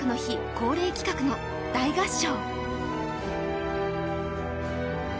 恒例企画の大合唱。